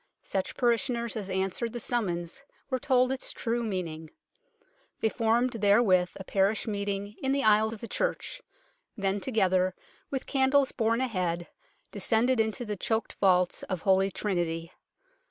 Such parishioners as answered the summons were told its true meaning ; they formed therewith a parish meet ing in the aisle of the church ; then together, with candles borne ahead, descended into the choked vaults of Holy Trinity.